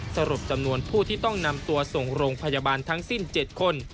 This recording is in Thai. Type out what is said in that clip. สรุปจำนวนผู้ที่ต้องนำตัวส่งโรงพยาบาลทั้งสิ้น๗คน